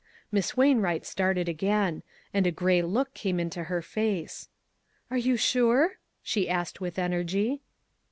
Miss Wain wright started again, and a gray look came into her face. " Are you sure ?" she asked with energy.